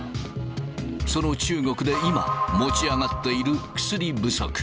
その中国で今、持ち上がっている薬不足。